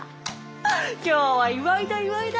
今日は祝いだ祝いだ！